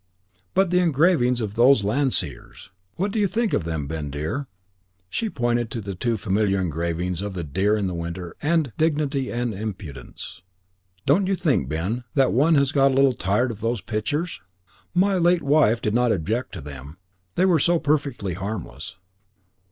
But the engravings those Landseers. What do you think of them, Ben, dear?" She pointed to the two familiar engravings of the "Deer in Winter," and "Dignity and Impudence." "Don't you think, Ben, that one has got a little tired of those pictures?" "My late wife did not object to them, they were so perfectly harmless."